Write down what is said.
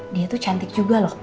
dia tuh cantik juga loh